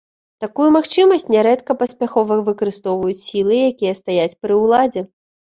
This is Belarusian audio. Такую магчымасць нярэдка паспяхова выкарыстоўваюць сілы, якія стаяць пры ўладзе.